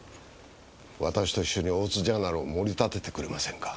私と一緒に大津ジャーナルを盛り立ててくれませんか？